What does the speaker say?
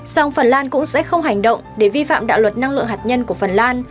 song phần lan cũng sẽ không hành động để vi phạm đạo luật năng lượng hạt nhân của phần lan